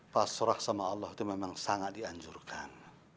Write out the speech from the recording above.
pasrah sama allah itu memang sangat dianjurkan